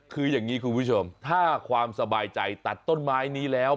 คืออย่างนี้คุณผู้ชมถ้าความสบายใจตัดต้นไม้นี้แล้ว